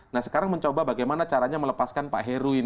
nah sekarang mencoba bagaimana caranya melepaskan pak heru ini